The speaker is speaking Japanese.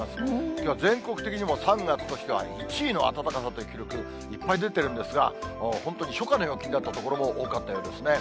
きょうは全国的にも、３月としては１位の暖かさという記録、いっぱい出てるんですが、本当に初夏の陽気になった所も多かったようですね。